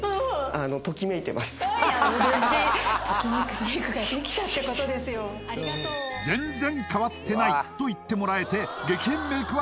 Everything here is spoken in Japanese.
ありがとう「全然変わってない」と言ってもらえて